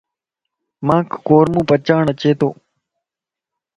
مانک قورمو پڇاڙ اچي تو.